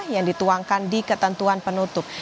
yang dituangkan di ketentuan penutup